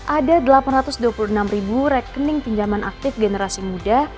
ada delapan ratus dua puluh enam ribu rekening pinjaman aktif generasi muda